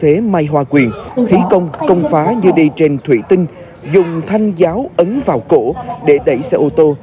thế mai hoa quyền khí công công phá như đi trên thủy tinh dùng thanh giáo ấn vào cổ để đẩy xe ô tô